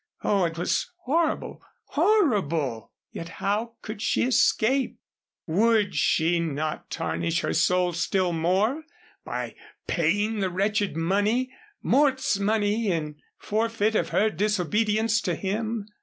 Oh, it was horrible horrible! Yet how could she escape? Would she not tarnish her soul still more by paying the wretched money Mort's money in forfeit of her disobedience to him?